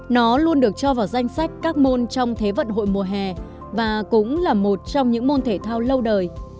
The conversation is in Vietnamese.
nó luôn được cho vào danh sách các môn trong thế vận hội mùa hè và cũng là một trong những môn thể thao lâu đời